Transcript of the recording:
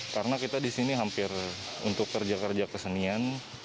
karena kita di sini hampir untuk kerja kerja kesenian